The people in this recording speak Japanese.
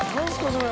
それ。